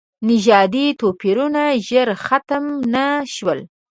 نژادي توپیرونه ژر ختم نه شول.